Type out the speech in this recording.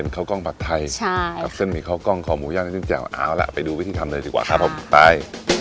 กับเส้นหมี่ข้าวกล้องคอหมูย่างน้ำจิ้มแจ่วเอาละไปดูวิธีทำเลยดีกว่าครับไป